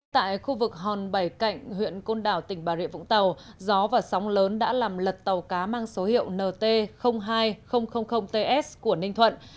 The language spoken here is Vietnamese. tại khu vực hòn bảy cạnh huyện côn đảo tỉnh bà rịa vũng tàu gió và sóng lớn đã làm lật tàu cá mang số hiệu nt hai ts của ninh thuận